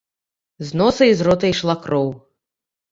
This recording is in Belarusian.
З носа і з рота ішла кроў.